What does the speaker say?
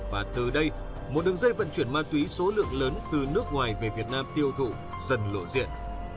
và từ đây một đường dây vận chuyển ma túy số lượng lớn từ nước ngoài về việt nam tiêu thụ dần lộ diện